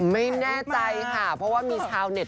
ไม่แน่ใจค่ะเพราะว่ามีชาวเน็ต